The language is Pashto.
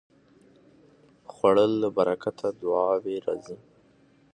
خوړل له برکته دعاوې راځي